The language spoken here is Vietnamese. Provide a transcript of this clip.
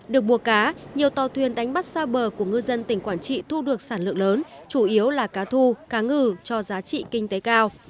được mùa cá nhiều tàu thuyền đánh bắt xa bờ của ngư dân tỉnh quảng trị thu được sản lượng lớn chủ yếu là cá thu cá ngừ cho giá trị kinh tế cao